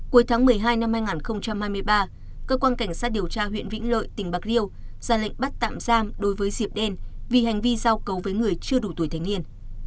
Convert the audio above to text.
cuối tháng một mươi hai năm hai nghìn hai mươi ba cơ quan cảnh sát điều tra huyện vĩnh lợi tỉnh bạc liêu ra lệnh bắt tạm giam đối với diệp đen vì hành vi giao cấu với người chưa đủ tuổi thanh niên